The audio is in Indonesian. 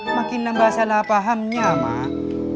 makin nambah salah pahamnya mak